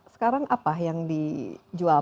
sekarang apa yang dijual